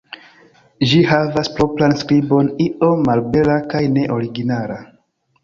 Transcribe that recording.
Ĝi havas propran skribon, iom malbela kaj ne originala.